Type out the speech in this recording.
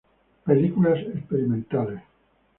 Películas experimentales